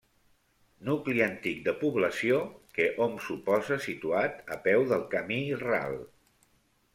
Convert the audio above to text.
Nucli antic de població que hom suposa situat a peu del camí ral.